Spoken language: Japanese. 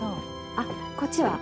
あこっちは？